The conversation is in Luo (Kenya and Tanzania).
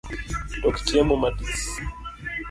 Tok chiemo matis